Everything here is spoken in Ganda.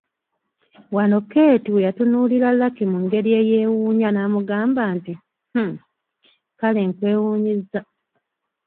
Wano Keeti we yatunuulirira Lucky mu ngeri eyeewuunya n’amugamba nti, “Hhhh…., kale nkwewuunyizza!